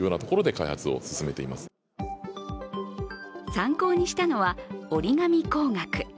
参考にしたのは折り紙工学。